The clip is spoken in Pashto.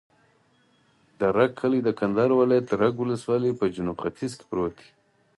د رګ کلی د کندهار ولایت، رګ ولسوالي په جنوب ختیځ کې پروت دی.